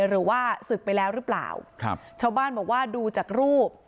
หรือว่าศึกไปแล้วหรือเปล่าครับชาวบ้านบอกว่าดูจากรูป